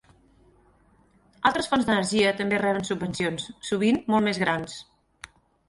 Altres fonts d'energia també reben subvencions, sovint molt més grans.